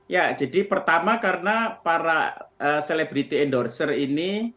ya jadi pertama karena para selebriti endorser ini